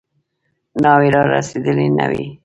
ناوې رارسېدلې نه وي.